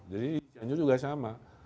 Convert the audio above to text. jadi cianjur juga sama